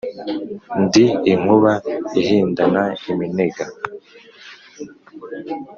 Ndi inkuba ihindana iminega.